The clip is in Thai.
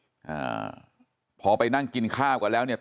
ทำให้สัมภาษณ์อะไรต่างนานไปออกรายการเยอะแยะไปหมด